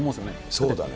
そうだね。